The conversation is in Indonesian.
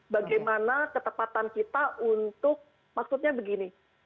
bagaimana ketepatan kita untuk maksudnya begini